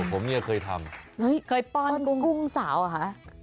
ผมเนี่ยเคยทำเฮ้ยเคยป้อนกุ้งสาวเหรอคะ